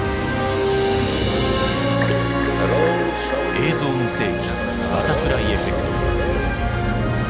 「映像の世紀バタフライエフェクト」。